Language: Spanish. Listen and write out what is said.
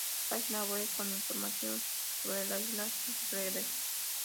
Página web con información sobre la isla Sledge